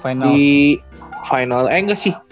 final eh nggak sih final juga kalo nggak salah